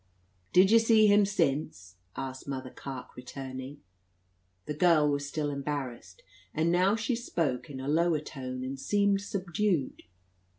"Did ye see him since?" asked Mother Carke, returning. The girl was still embarrassed; and now she spoke in a lower tone, and seemed subdued.